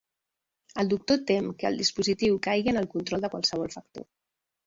El Doctor tem que el dispositiu caigui en el control de qualsevol factor.